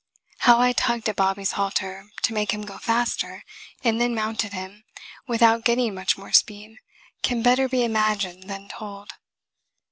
How I tugged at Bobby's halter to make him go faster and then mounted him, without getting much more speed, can better be imagined than told.